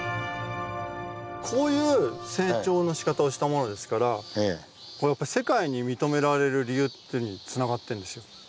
こういう成長のしかたをしたものですから世界に認められる理由につながってるんですよ。